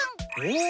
お。